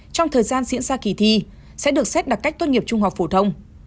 trong thời gian diễn ra kỳ thi sẽ được xét đặc cách tốt nghiệp trung học phổ thông